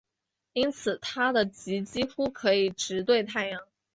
因此它的极几乎可以直对太阳。